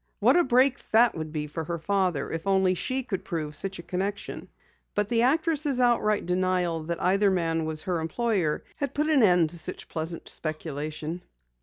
What a break that would be for her father if only she could prove such a connection! But the actress' outright denial that either man was her employer had put an end to such pleasant speculation.